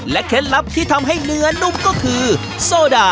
เคล็ดลับที่ทำให้เนื้อนุ่มก็คือโซดา